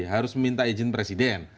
harus meminta izin presiden